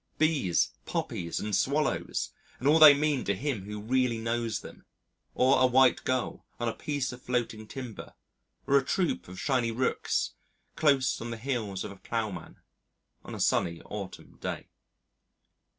Bees, Poppies, and Swallows! and all they mean to him who really knows them! Or a White Gull on a piece of floating timber, or a troop of shiny Rooks close on the heels of a ploughman on a sunny autumn day.